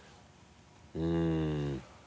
うん。